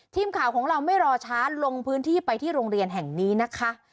ทีมข่าวของเราไม่รอช้าลงพื้นที่ไปที่โรงเรียนแห่งนี้นะคะ